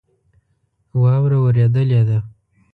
واوره اوریدلی ده